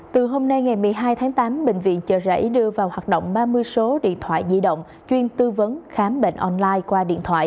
từ hôm nay ngày một mươi hai tháng tám bệnh viện chợ rẫy đưa vào hoạt động ba mươi số điện thoại di động chuyên tư vấn khám bệnh online qua điện thoại